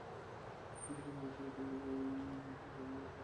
ইতিবাচক মানসিক ভঙ্গি গঠনের জন্য আশাবাদ এবং প্রত্যাশা অত্যন্ত জরুরী।